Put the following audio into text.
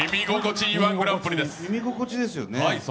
耳心地ですよね。